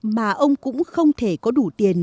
mà ông cũng không thể có đủ tiền